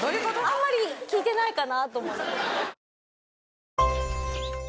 あんまり効いてないかなと思う。